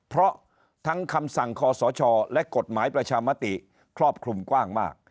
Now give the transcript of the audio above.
เพราะทั้งคำสั่งคอสชและกฎหมายประชามติครอบคลุมกว้างมาก